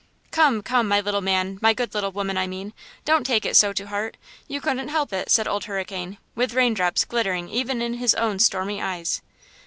"Come, come, my little man–my good little woman, I mean! don't take it so to heart. You couldn't help it!" said Old Hurricane, with raindrops glittering even in his own stormy eyes.